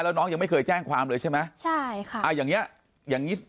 แล้วน้องยังไม่เคยแจ้งความเลยใช่ไหมใช่ค่ะอ่าอย่างเงี้ยอย่างงี้